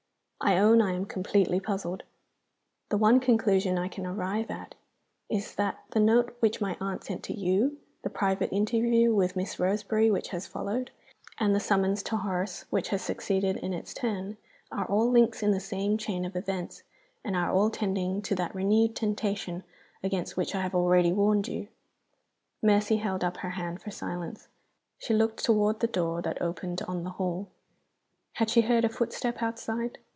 I own I am completely puzzled. The one conclusion I can arrive at is that the note which my aunt sent to you, the private interview with Miss Roseberry which has followed, and the summons to Horace which has succeeded in its turn, are all links in the same chain of events, and are all tending to that renewed temptation against which I have already warned you." Mercy held up her hand for silence. She looked toward the door that opened on the hall; had she heard a footstep outside?